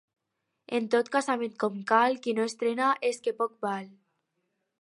En tot casament com cal, qui no estrena és que poc val.